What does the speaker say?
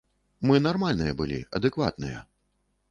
Мы нармальныя былі, адэкватныя.